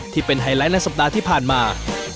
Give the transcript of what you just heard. ที่เป็นไฮไลท์ในสัปดาห์ที่ผ่านมา